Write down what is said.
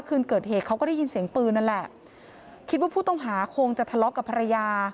คืนเกิดเหตุเขาก็ได้ยินเสียงปืนนั่นแหละคิดว่าผู้ต้องหาคงจะทะเลาะกับภรรยา